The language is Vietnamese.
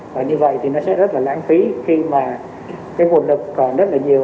và như vậy thì nó sẽ rất là lãng phí khi mà cái nguồn lực còn rất là nhiều